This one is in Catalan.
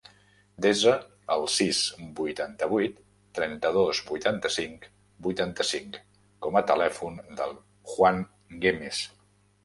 Desa el sis, vuitanta-vuit, trenta-dos, vuitanta-cinc, vuitanta-cinc com a telèfon del Juan Guemes.